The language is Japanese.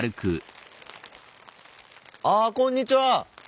あこんにちは